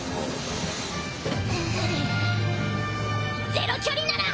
ゼロ距離なら！